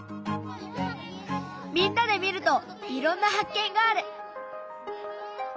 みんなで見るといろんな発見がある！